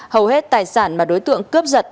hầu hết tài sản mà đối tượng cướp giật